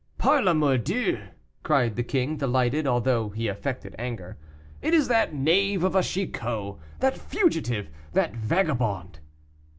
"Par la mordieu!" cried the king, delighted, although he affected anger; "it is that knave of a Chicot, that fugitive, that vagabond!"